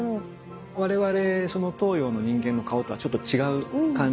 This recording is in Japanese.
我々東洋の人間の顔とはちょっと違う感じがしますよね。